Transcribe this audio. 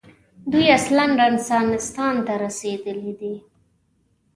دوی اصلاً رنسانستان ته رسېدلي دي.